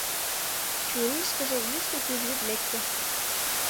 Чурийышкыже йӱштӧ пӱжвӱд лекте.